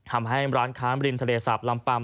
ทำให้ร้านค้ามริมทะเลสาบลำปัม